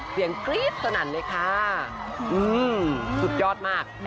เปลี่ยงกรี๊ดสนั่นเลยค่ะสุดยอดมาก